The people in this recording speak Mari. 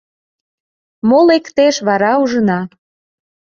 — Мо лектеш, вара ужына.